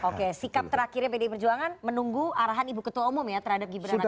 oke sikap terakhirnya pdi perjuangan menunggu arahan ibu ketua umum ya terhadap gibran raka